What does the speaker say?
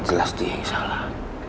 jelas dia yang salah